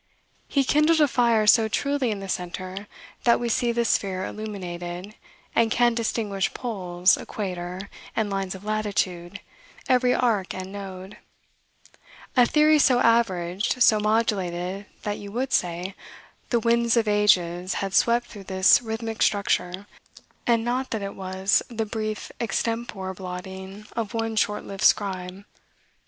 He kindled a fire so truly in the center, that we see the sphere illuminated, and can distinguish poles, equator, and lines of latitude, every arc and node; a theory so averaged, so modulated, that you would say, the winds of ages had swept through this rhythmic structure, and not that it was the brief extempore blotting of one short lived scribe.